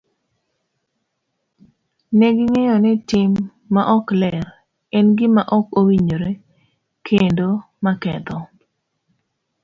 Ne ging'eyo ni tim maok ler en gima ok owinjore kendo maketho.